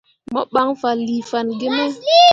Mo ɓan fanlii fanne gi me.